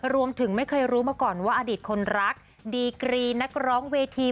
ไม่เคยรู้มาก่อนว่าอดีตคนรักดีกรีนักร้องเวที